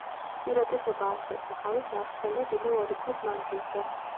უპირატესობა არცერთ მხარეს არ ჰქონდა კიდევ ორი წლის მანძილზე.